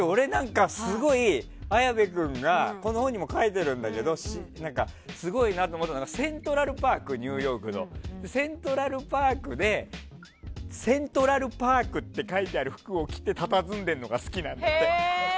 綾部君がこの本にも書いてるんだけどすごいなと思ったのがニューヨークのセントラルパークでセントラルパークって書いてる服を着てたたずんでるのが好きなんだって。